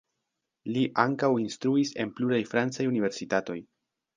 Li ankaŭ instruis en pluraj francaj universitatoj.